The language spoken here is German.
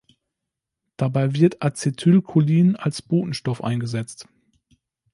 Dabei wird Acetylcholin als Botenstoff eingesetzt.